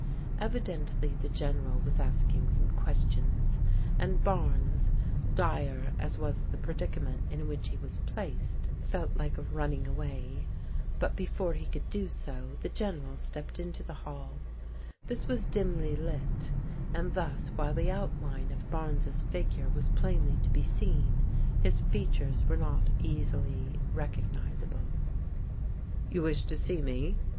Evidently the General was asking some questions, and Barnes, dire as was the predicament in which he was placed, felt like running away, but before he could do so the General stepped into the halL This was dimly lit, and thus, while the outline of Barnes' figure was plainly to be seen, his features were not easily recogniz able. " You wish to see me?